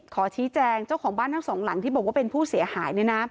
ขอชี้แจงเจ้าของบ้านทั้งสองหลังที่บอกว่าเป็นผู้เสียหาย